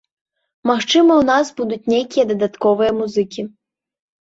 Магчыма, у нас будуць нейкія дадатковыя музыкі.